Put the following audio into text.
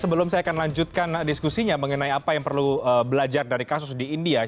sebelum saya akan lanjutkan diskusinya mengenai apa yang perlu belajar dari kasus di india